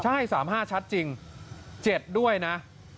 ใช่๓๕ชัดจริง๗ด้วยนะ